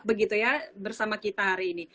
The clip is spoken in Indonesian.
begitu ya bersama kita hari ini